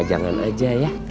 jangan aja ya